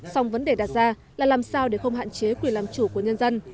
song vấn đề đặt ra là làm sao để không hạn chế quyền làm chủ của nhân dân